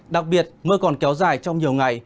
đặc biệt mưa còn kéo dài trong nhiều ngày